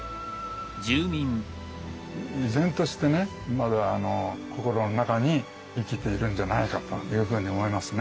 依然としてねまだ心の中に生きているんじゃないかというふうに思いますね。